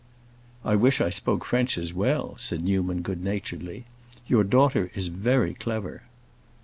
"I wish I spoke French as well," said Newman, good naturedly. "Your daughter is very clever."